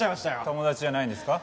友達じゃないんですか？